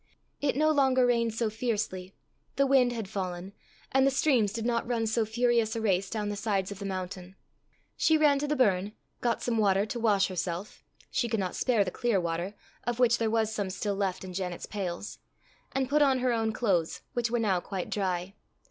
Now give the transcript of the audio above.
It no longer rained so fiercely; the wind had fallen; and the streams did not run so furious a race down the sides of the mountain. She ran to the burn, got some water to wash herself she could not spare the clear water, of which there was some still left in Janet's pails and put on her own clothes, which were now quite dry.